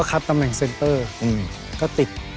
ครับตำแหน่งเซ็นเตอร์ก็ติด